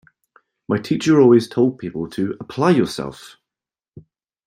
My teacher always told people to "apply yourself!".